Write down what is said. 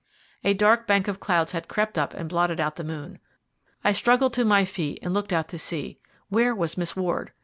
A dark bank of clouds had crept up and blotted out the moon. I struggled to my feet and looked out to sea. Where was Miss Ward?